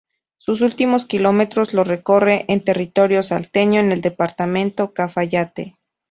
Sus últimos kilómetros los recorre en territorio salteño, en el Departamento Cafayate.